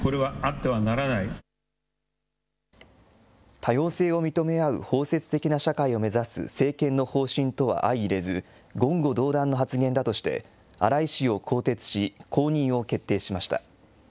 多様性を認め合う包摂的な社会を目指す政権の方針とは相いれず、言語道断の発言だとして、荒井氏を更迭し、後任を決定しました。